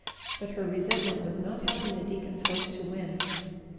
But her resentment was not helping the deacon's horse to win.